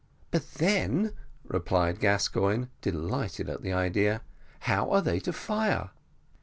"But then," replied Gascoigne, delighted at the idea, "how are they to fire?"